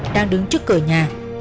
đang đứng trước cửa nhà